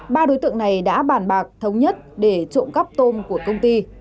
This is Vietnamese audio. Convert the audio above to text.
ba đối tượng này đã bàn bạc thống nhất để trộm cắp tôm của công ty